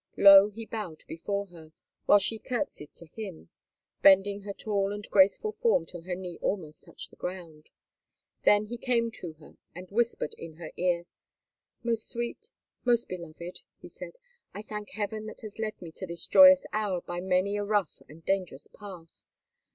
Low he bowed before her, while she curtseyed to him, bending her tall and graceful form till her knee almost touched the ground. Then he came to her and whispered in her ear: "Most sweet, most beloved," he said, "I thank heaven that has led me to this joyous hour by many a rough and dangerous path.